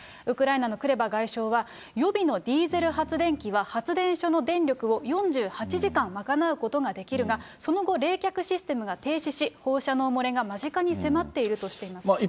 ウクライナのクレバ外相は予備のディーゼル発電機は、発電所の電力を４８時間賄うことができるが、その後、冷却システムが停止し、放射能漏れが間近に迫っているとしています。